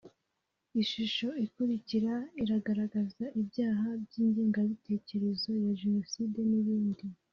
ishusho ikurikira iragaragaza ibyaha by’ingengabitekerezo ya jenoside n’ibindi